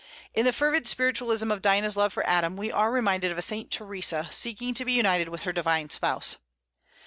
In the fervid spiritualism of Dinah's love for Adam we are reminded of a Saint Theresa seeking to be united with her divine spouse.